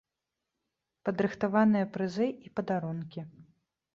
Падрыхтаваныя прызы і падарункі.